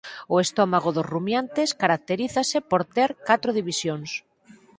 O estómago dos ruminantes caracterízase por ter catro divisións.